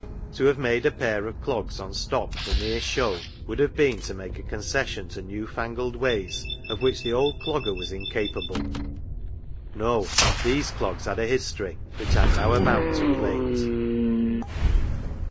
To have made a pair of clogs on stock or for mere show would have been to make a concession to new fangled ways of which the old Clogger was incapable. No, these clogs had a history which I am now about to relate.